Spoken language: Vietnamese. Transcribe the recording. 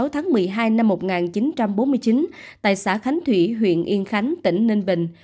hai mươi tháng một mươi hai năm một nghìn chín trăm bốn mươi chín tại xã khánh thủy huyện yên khánh tỉnh ninh bình